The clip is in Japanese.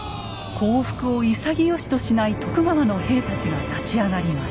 降伏を潔しとしない徳川の兵たちが立ち上がります。